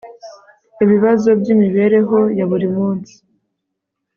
ibibazo byimibereho ya buri munsi